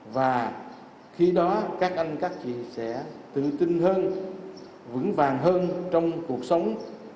và khi đó các anh các chị sẽ tự tin hơn vững vàng hơn trong cuộc sống